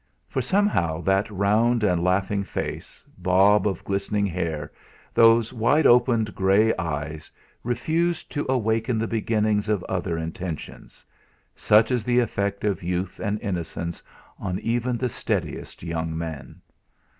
For somehow that round and laughing face, bob of glistening hair, those wide opened grey eyes refused to awaken the beginnings of other intentions such is the effect of youth and innocence on even the steadiest young men.